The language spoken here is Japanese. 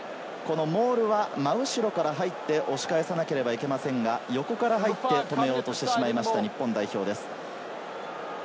モールは真後ろから入って押し返さなければいけませんが、横から入って止めようとしてしまいました、日本代表です。